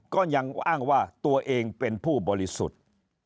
ก็ยังอ้างว่าตัวเองเป็นผู้บริสุทธิ์